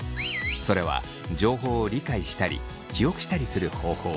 それは情報を理解したり記憶したりする方法